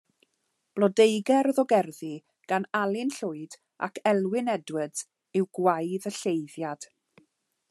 Blodeugerdd o gerddi gan Alan Llwyd ac Elwyn Edwards yw Gwaedd y Lleiddiad.